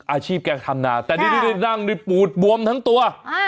อาชีพแก่งธรรมนาแต่นี่นี่นั่งด้วยปูดบวมทั้งตัวอ่า